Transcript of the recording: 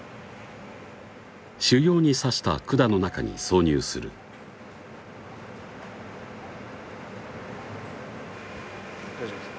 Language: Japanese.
腫瘍に刺した管の中に挿入する大丈夫ですか？